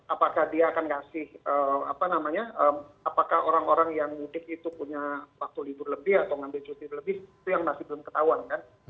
apakah dia akan kasih apakah orang orang yang mudik itu punya waktu libur lebih atau ngambil cuti lebih itu yang masih belum ketahuan kan